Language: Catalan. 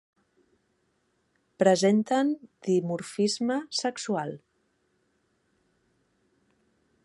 Presenten dimorfisme sexual.